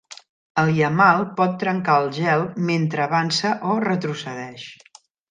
El "yamal" pot trencar el gel mentre avança o retrocedeix.